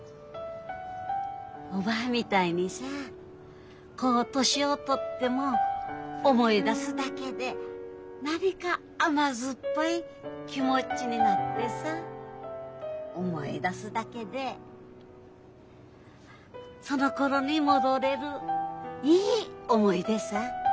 おばぁみたいにさ年をとっても思い出すだけで何か甘酸っぱい気持ちになってさ思い出すだけでそのころに戻れるいい思い出さぁ。